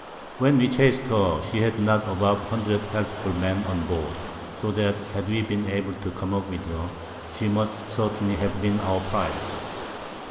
When we chas'd her, she had not above 100 healthful Men on board, so that had we been able to come up with her, she must certainly have been our Prize.